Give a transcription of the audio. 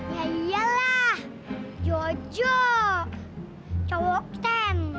ya iyalah jojo cowok ten